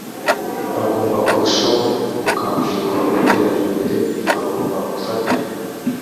bagomba kurushaho gukangurirwa gutera imbere, bagomba gufatanya